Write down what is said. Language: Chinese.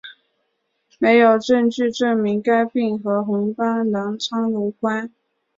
没有证据证明该病和红斑狼疮有关。